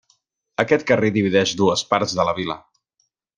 Aquest carrer divideix dues parts de la vila.